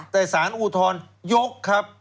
แต่สารอุทธรยกครับ